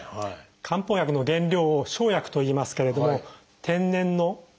漢方薬の原料を生薬といいますけれども天然の原料で植物性